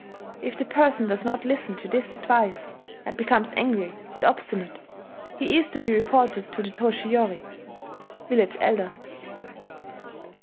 If the person does not listen to this advice, and becomes angry and obstinate, he is to be reported to the toshiyori [village elder]